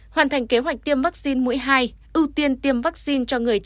hoàn thành kế hoạch tiêm vaccine mũi hai ưu tiên tiêm vaccine cho người trẻ